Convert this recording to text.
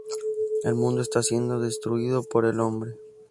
El mundo está siendo destruido por el hombre.